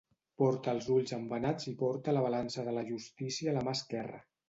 Porta els ulls embenats i porta la balança de la justícia a la mà esquerra.